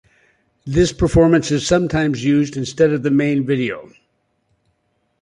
This performance is sometimes used instead of the main video.